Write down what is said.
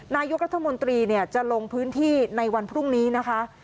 นายกรัฐมนตรีจะลงพื้นที่ในวันพรุ่งนี้นะคะ